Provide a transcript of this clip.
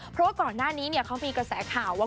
เพราะว่าก่อนหน้านี้เขามีกระแสข่าวว่า